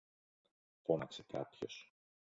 φώναξε κάποιος.